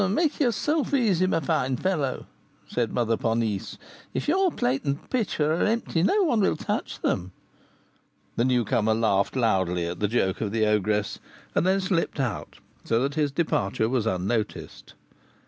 "Make yourself easy, my fine fellow," said Mother Ponisse; "if your plate and pitcher are empty, no one will touch them." The newcomer laughed loudly at the joke of the ogress, and then slipped out, so that his departure was unnoticed.